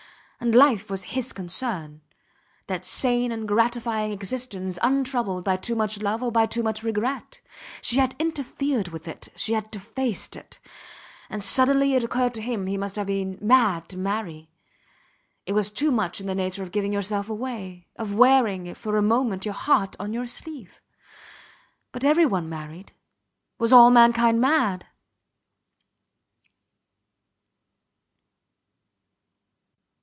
And life was his concern: that sane and gratifying existence untroubled by too much love or by too much regret. She had interfered with it; she had defaced it. And suddenly it occurred to him he must have been mad to marry. It was too much in the nature of giving yourself away, of wearing if for a moment your heart on your sleeve. But every one married. Was all mankind mad!